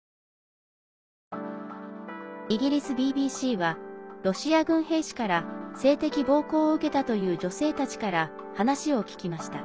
イギリスＢＢＣはロシア軍兵士から性的暴行を受けたという女性たちから話を聞きました。